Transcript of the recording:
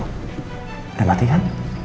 udah mati kan